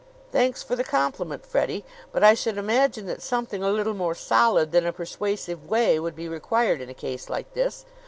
"Thanks for the compliment, Freddie; but I should imagine that something a little more solid than a persuasive way would be required in a case like this.